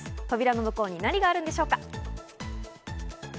トビラの向こうに何があるんでしょうか。